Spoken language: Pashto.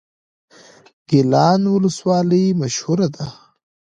ګیلان ولسوالۍ مشهوره ده؟